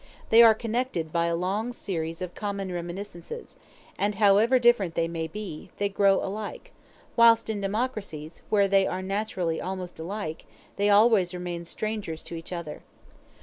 They are connected by a long series of common reminiscences, and however different they may be, they grow alike; whilst in democracies, where they are naturally almost alike, they always remain strangers to each other.